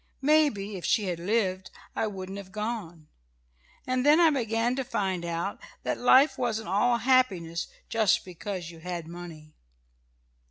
Maybe if she had lived I wouldn't have gone. And then I began to find out that life wasn't all happiness just because you had money.